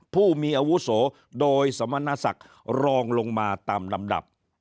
ผู้มีอาวุโสโดยสมณศักดิ์รองลงมาตามลำดับ